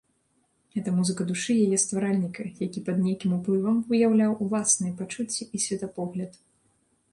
Гэта музыка душы яе стваральніка, які пад нейкім уплывам выяўляў уласныя пачуцці і светапогляд.